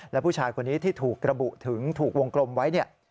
และผู้ชายคนนี้ที่ถูกระบุถึงถูกวงกลมไว้เนี่ย